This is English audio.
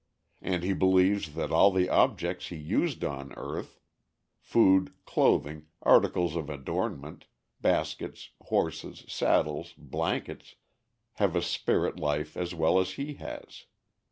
And he believes that all the objects he used on earth food, clothing, articles of adornment, baskets, horses, saddles, blankets have a spirit life as well as he has.